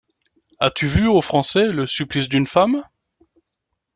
As-tu vu aux Français le Supplice d’une femme ?